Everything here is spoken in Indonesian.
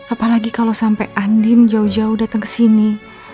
apalagi kalau sampai andin jauh jauh datang ke sini